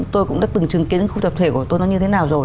tôi cũng đã từng chứng kiến những khu tập thể của tôi nó như thế nào rồi